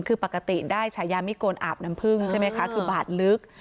คือปกติได้ฉายามิโกนอาบน้ำพึ่งใช่ไหมคะคือบาดลึก